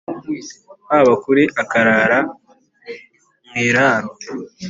habá kuri akarara mw iiráaro